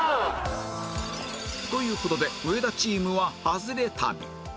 という事で上田チームはハズレ旅